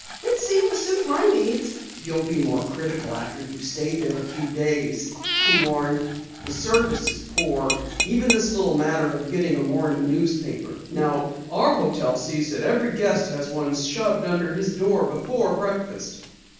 "It seemed to suit my needs." "You'll be more critical after you have stayed there a few days," he warned. "The service is very poor. Even this little matter of getting a morning newspaper. Now our hotel sees that every guest has one shoved under his door before breakfast."